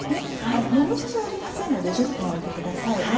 もむ必要はありませんので１０分置いてください。